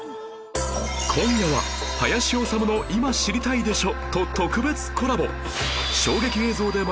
今夜は『林修の今知りたいでしょ！』と特別コラボ